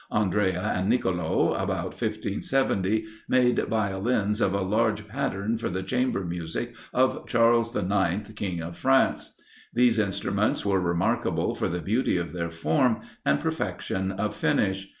Andrea and Nicolo, about 1570, made Violins of a large pattern for the chamber music of Charles IX. King of France. These instruments were remarkable for the beauty of their form, and perfection of finish.